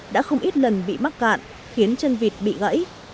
đã không ít lần bị mắc cạn khiến chân vịt bị gãy